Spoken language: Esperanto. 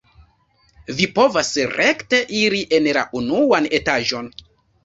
Vi povas rekte iri en la unuan etaĝon.